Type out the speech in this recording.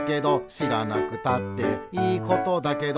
「しらなくたっていいことだけど」